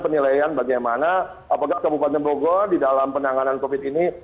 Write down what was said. penilaian bagaimana apakah kabupaten bogor di dalam penanganan covid ini